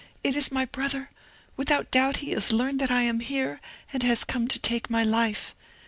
it is my brother! Without doubt he has learned that I am here, and has come to take my life.